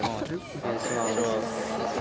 お願いします。